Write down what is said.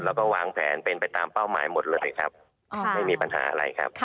แล้วก็วางแผนเป็นไปตามเป้าหมายหมดเลยครับไม่มีปัญหาอะไรครับ